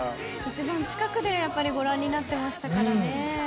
一番近くでご覧になっていましたからね。